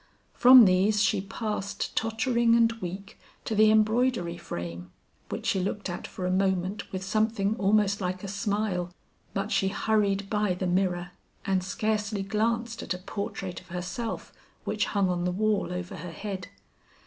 From these she passed tottering and weak to the embroidery frame, which she looked at for a moment with something almost like a smile; but she hurried by the mirror, and scarcely glanced at a portrait of herself which hung on the wall over her head.